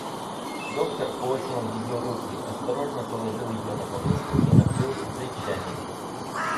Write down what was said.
Доктор отнял ее руки, осторожно положил ее на подушку и накрыл с плечами.